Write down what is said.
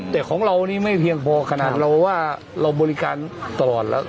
แต่ของเรานี่ไม่เพียงพอขนาดเราว่าเราบริการตลอดแล้ว